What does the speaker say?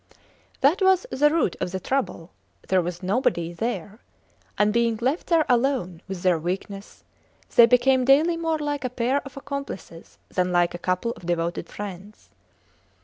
That was the root of the trouble! There was nobody there; and being left there alone with their weakness, they became daily more like a pair of accomplices than like a couple of devoted friends.